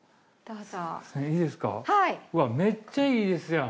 うわっめっちゃいいですやん。